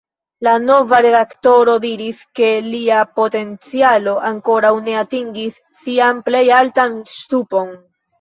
La nova redaktoro diris, ke lia potencialo ankoraŭ ne atingis sian plej altan ŝtupon.